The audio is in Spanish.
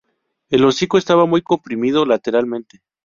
El hocico estaba muy comprimido lateralmente.